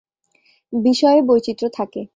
বিষয়ে বৈচিত্র্য থাকে।